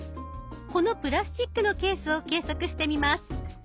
このプラスチックのケースを計測してみます。